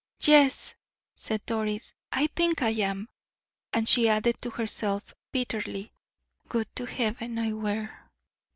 "Yes," said Doris, "I think I am;" and she added to herself, bitterly, "Would to Heaven I were!"